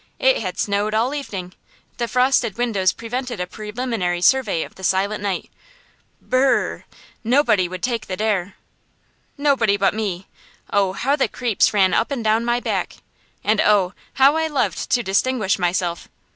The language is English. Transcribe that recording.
It had snowed all evening; the frosted windows prevented a preliminary survey of the silent night. Brr rr! Nobody would take the dare. Nobody but me. Oh, how the creeps ran up and down my back! and oh! how I loved to distinguish myself!